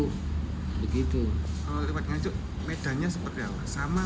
kalau lewat nganjuk medannya seperti apa